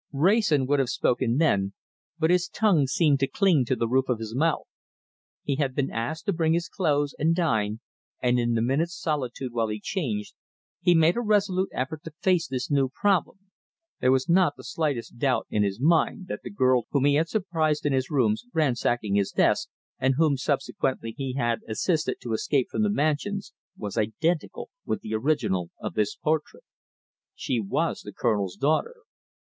Wrayson would have spoken then, but his tongue seemed to cling to the roof of his mouth. He had been asked to bring his clothes and dine, and in the minutes' solitude while he changed, he made a resolute effort to face this new problem. There was not the slightest doubt in his mind that the girl whom he had surprised in his rooms, ransacking his desk, and whom subsequently he had assisted to escape from the Mansions, was identical with the original of this portrait. She was the Colonel's daughter.